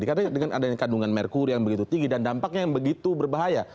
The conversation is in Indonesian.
karena dengan adanya kandungan merkuri yang begitu tinggi dan dampaknya yang begitu berbahaya